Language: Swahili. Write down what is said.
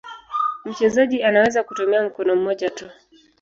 Mchezaji anaweza kutumia mkono mmoja tu.